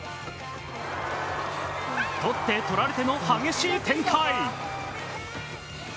取って取られての激しい展開。